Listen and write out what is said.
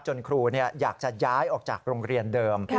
ครูอยากจะย้ายออกจากโรงเรียนเดิม